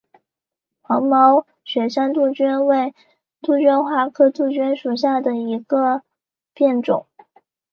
黄毛雪山杜鹃为杜鹃花科杜鹃属下的一个变种。